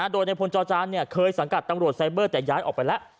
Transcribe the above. โดยในพลจอจานเคยสังกัดตำรวจไซเบอร์แต่ย้ายออกไปแล้ว